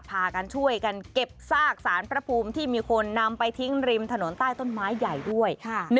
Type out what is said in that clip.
พากันช่วยกันเก็บซากสารพระภูมิที่มีคนนำไปทิ้งริมถนนใต้ต้นไม้ใหญ่ด้วย